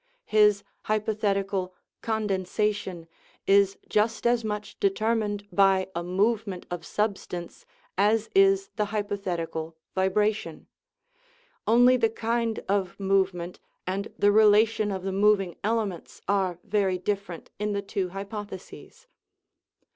His hypothetical " condensation " is just as 219 THE RIDDLE OF THE UNIVERSE much determined by a movement of substance as is the hypothetical "vibration"; only the kind of movement and the relation of the moving elements are very dif ferent in the two hypotheses.